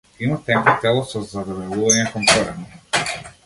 Има тенко тело со задебелување кон коренот.